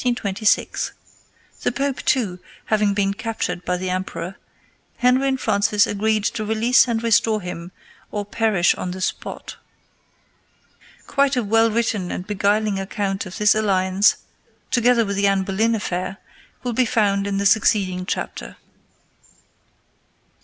The Pope, too, having been captured by the emperor, Henry and Francis agreed to release and restore him or perish on the spot. Quite a well written and beguiling account of this alliance, together with the Anne Boleyn affair, will be found in the succeeding chapter.